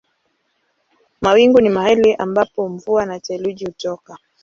Mawingu ni mahali ambako mvua na theluji hutoka.